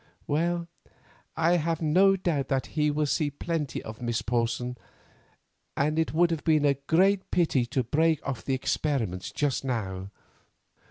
Well, I have no doubt that he will see plenty of Miss Porson, and it would have been a great pity to break off the experiments just now."